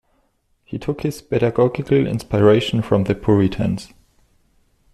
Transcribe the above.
He took his pedagogical inspiration from the Puritans.